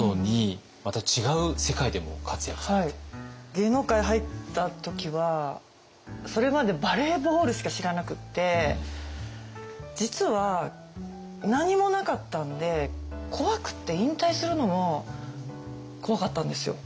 芸能界入った時はそれまでバレーボールしか知らなくって実は何もなかったんで怖くって引退するのも怖かったんですよ。